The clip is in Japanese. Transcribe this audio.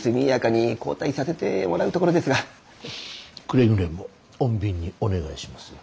くれぐれも穏便にお願いしますよ。